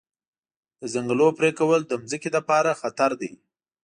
د ځنګلونو پرېکول د ځمکې لپاره خطر دی.